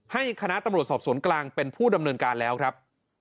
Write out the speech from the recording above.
ให้คณะตำรวจสอบสวนกลางเป็นผู้ดำเนินการแล้วครับ